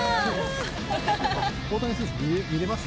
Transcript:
大谷選手、見れました？